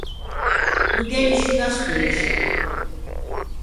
No gh’é nisciuña sprescia.